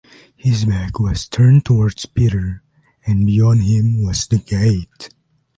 His back was turned towards Peter, and beyond him was the gate!